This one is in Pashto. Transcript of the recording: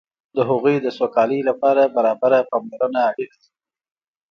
د هغوی سوکالۍ لپاره برابره پاملرنه اړینه ده.